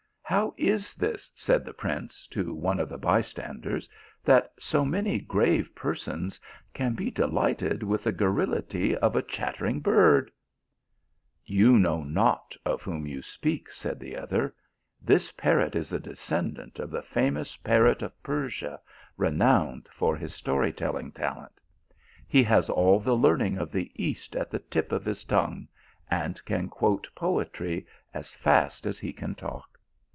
" How is this," said the prince to one of the by standers, " that so many grave persons can be de lighted with the garrulity of a chattering bird ?" "You know not of whom you speak," said the other ;" this parrot is a descendant of the famous parrot of Persia, renowned for his story telling tal ent. He has all the learning of the East at the tip of his tongue, and can quote poetry as fast as he can talk.